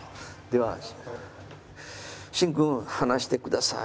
では審君離してください。